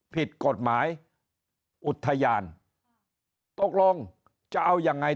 ผิดกฎหมายอุทยานตกลงจะเอายังไง